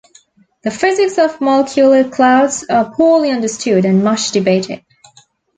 The physics of molecular clouds are poorly understood and much debated.